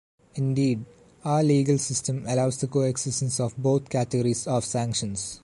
Indeed, our legal system allows the coexistence of both categories of sanctions.